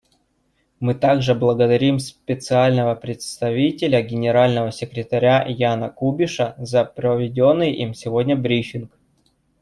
Мы также благодарим Специального представителя Генерального секретаря Яна Кубиша за проведенный им сегодня брифинг.